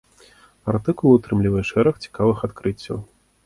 Артыкул утрымлівае шэраг цікавых адкрыццяў.